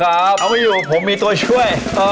เอามาเอาพี่ผมมีตัวช่วย